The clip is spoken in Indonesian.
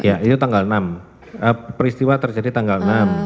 ya itu tanggal enam peristiwa terjadi tanggal enam